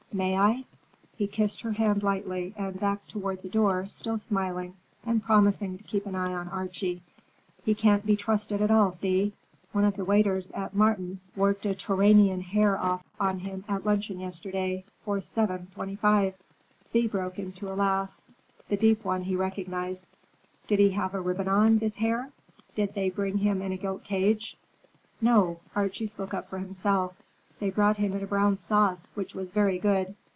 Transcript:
May I?" He kissed her hand lightly and backed toward the door, still smiling, and promising to keep an eye on Archie. "He can't be trusted at all, Thea. One of the waiters at Martin's worked a Tourainian hare off on him at luncheon yesterday, for seven twenty five." Thea broke into a laugh, the deep one he recognized. "Did he have a ribbon on, this hare? Did they bring him in a gilt cage?" "No,"—Archie spoke up for himself,—"they brought him in a brown sauce, which was very good.